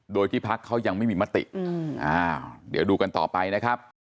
โดยที่พักเขายังไม่มีมติเดี๋ยวดูกันต่อไปนะครับ